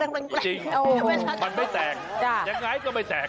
จริงมันไม่แตกยังไงก็ไม่แตก